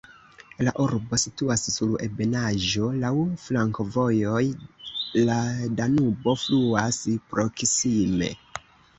La urbo situas sur ebenaĵo, laŭ flankovojoj, la Danubo fluas proksime.